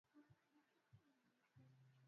kutokana na tume ya taifa ya uchaguzi